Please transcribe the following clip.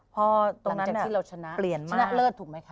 พอตรงนั้นเนี่ยชนะเลิศถูกไหมคะ